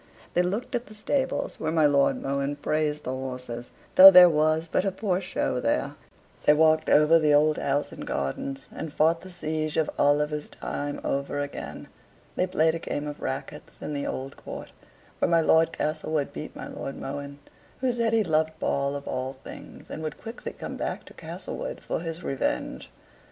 They looked at the stables where my Lord Mohun praised the horses, though there was but a poor show there: they walked over the old house and gardens, and fought the siege of Oliver's time over again: they played a game of rackets in the old court, where my Lord Castlewood beat my Lord Mohun, who said he loved ball of all things, and would quickly come back to Castlewood for his revenge.